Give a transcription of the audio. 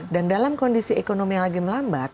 dan dalam kondisi ekonomi yang lagi melambat